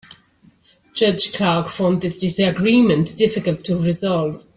Judge Clark found this disagreement difficult to resolve.